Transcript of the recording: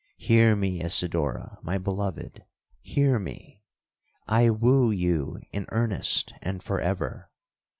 Hear me, Isidora, my beloved, hear me! I woo you in earnest, and for ever!